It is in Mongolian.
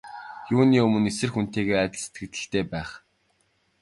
Юуны өмнө эсрэг хүнтэйгээ адил сэтгэгдэлтэй байх.